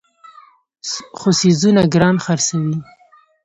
خو څیزونه ګران خرڅوي.